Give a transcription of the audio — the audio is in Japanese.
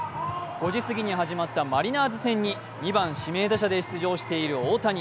５時過ぎに始まったマリナーズ戦に２番・指名打者で出場している大谷。